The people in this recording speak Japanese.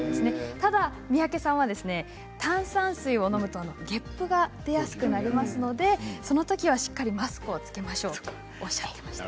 ただ三宅さんは炭酸水を飲むとげっぷが出やすくなりますのでそのときはしっかりマスクを着けましょうとおっしゃっていました。